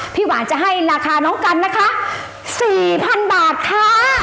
พี่หวานจะให้ราคาน้องกันนะคะสี่พันบาทค่ะ